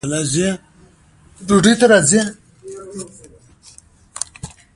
د ټرمونو او کښتیو برخې یې هم ولیدې.